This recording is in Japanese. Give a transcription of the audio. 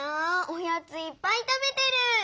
おやついっぱい食べてる！